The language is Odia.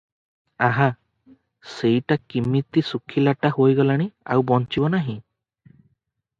ଆହା! ସେଇଟା କିମିତି ଶୁଖିଲାଟା ହୋଇଗଲାଣି, ଆଉ ବଞ୍ଚିବ ନାହିଁ ।